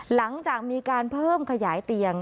หลังจากมีการเพิ่มขยายเตียง